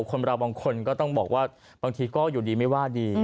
คนเราบางคนก็ต้องบอกว่าบางทีก็อยู่ดีไม่ว่าดี